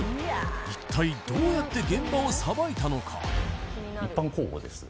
一体どうやって現場をさばいたのか？